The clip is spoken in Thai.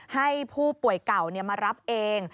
ให้ผู้ป่วยเก่ามารับเอง